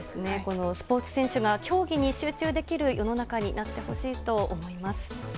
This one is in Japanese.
スポーツ選手が競技に集中できる世の中になってほしいと思います。